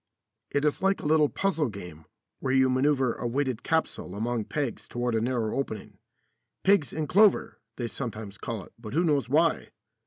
It is like a little puzzle game where you manoeuvre a weighted capsule among pegs toward a narrow opening. "Pigs in clover," they sometimes call it, but who knows why?